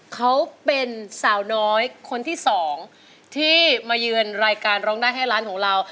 เขาเป็นสาวน้อยคนที่สองที่มาเยือนรายการร้องได้ให้ร้านของเรา